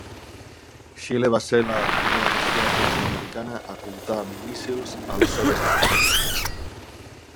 Xile va ser la primera nació llatinoamericana a comptar amb míssils a les seves naus.